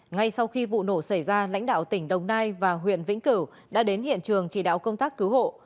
ngay sau khi vụ nổ xảy ra lãnh đạo tỉnh đồng nai và huyện vĩnh cửu đã đến hiện trường chỉ đạo công tác cứu hộ